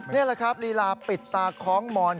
นี่แหละครับลีลาปิดตาคล้องมอน